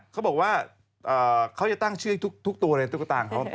เขาบอกว่าเขาจะตั้งชื่อทุกตัวอะไรทุกก็ต่าง